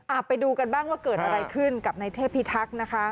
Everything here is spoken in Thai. ไปดูกันบ้างว่าเกิดอะไรขึ้นกับในเทพิทักษ์นะคะ